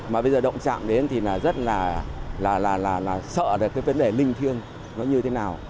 mà bây giờ động trạng đến thì là rất là sợ được cái vấn đề linh thiêng nó như thế nào